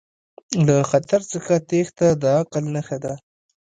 له خطر څخه تیښته د عقل نښه ده.